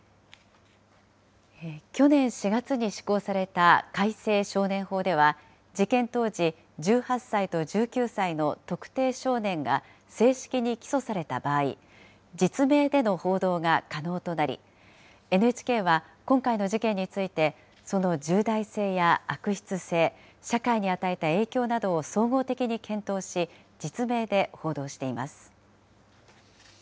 去年４月に施行された改正少年法では、事件当時、１８歳と１９歳の特定少年が正式に起訴された場合、実名での報道が可能となり、ＮＨＫは今回の事件について、その重大性や悪質性、社会に与えた影響を総合的に検討し、実名で報道しています。